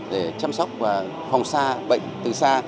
để chăm sóc và phòng xa bệnh từ xa